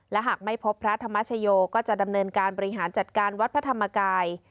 และหากไม่พบพระธรรมชโยก็จะดำเนินการบริหารจัดการวัดพระธรรมกาย